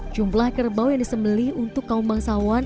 jumlah kerbau yang disembeli untuk kaum bangsawan